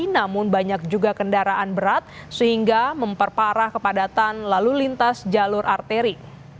namun banyak juga kendaraan berat sehingga memperparah kepadatan lalu lintas jalur arteri